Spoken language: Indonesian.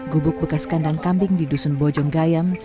gubuk bekas kandang kambing di dusun bojong gayam